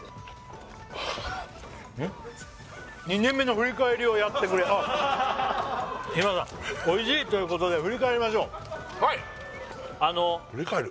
「２年目の振り返りをやってくれ」ああ日村さんおいしいということで振り返りましょうはい振り返る？